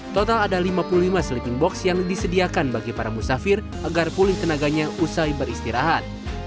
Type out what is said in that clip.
total ada lima puluh lima sleeping box yang disediakan bagi para musafir agar pulih tenaganya usai beristirahat